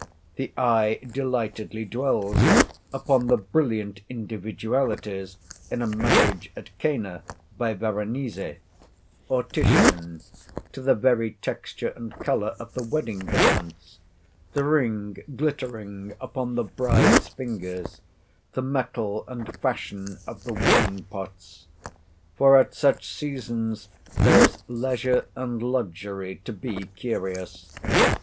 The eye delightedly dwells upon the brilliant individualities in a "Marriage at Cana," by Veronese, or Titian, to the very texture and colour of the wedding garments, the ring glittering upon the bride's fingers, the metal and fashion of the wine pots; for at such seasons there is leisure and luxury to be curious.